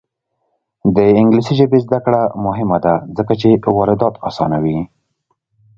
د انګلیسي ژبې زده کړه مهمه ده ځکه چې واردات اسانوي.